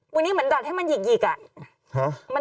วันนี้เหมือนดอดให้มันหยิกอะ